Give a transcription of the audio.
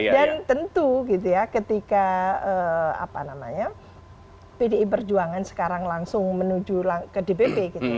dan tentu ketika pdi berjuangan sekarang langsung menuju ke dpp